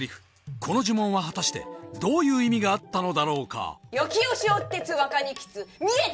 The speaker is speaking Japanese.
この呪文は果たしてどういう意味があったのだろうか見えた！